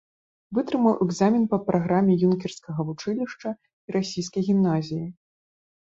Вытрымаў экзамен па праграме юнкерскага вучылішча і расійскай гімназіі.